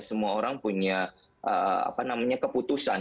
semua orang punya keputusan